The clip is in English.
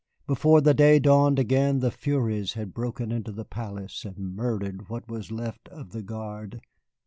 Before the day dawned again the furies had broken into the palace and murdered what was left of the Guard.